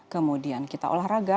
kemudian kita olahraga